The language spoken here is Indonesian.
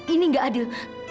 ini nggak adil